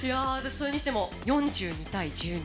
それにしても、４２対１２。